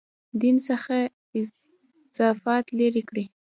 دین څخه اضافات لرې کړي.